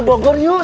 ke bogor yuk